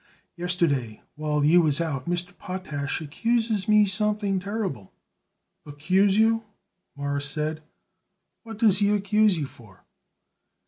"Yesterday, while you was out, Mr. Potash accuses me something terrible." "Accuse you?" Morris said. "What does he accuse you for?"